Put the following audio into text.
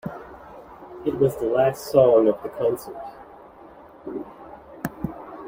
It was the last song of the concert.